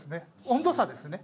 温度差ですね。